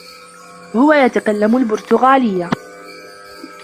هو يتكلّم البرتغاليّة.